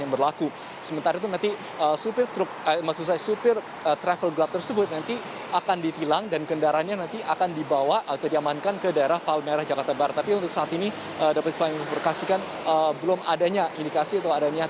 yang kental yang diwujudkan dengan karyanya